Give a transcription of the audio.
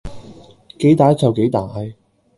幾歹就幾歹